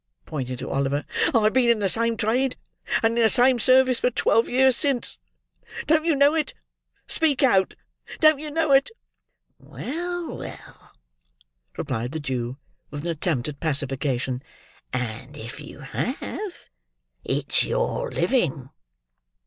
pointing to Oliver. "I have been in the same trade, and in the same service, for twelve years since. Don't you know it? Speak out! Don't you know it?" "Well, well," replied the Jew, with an attempt at pacification; "and, if you have, it's your living!"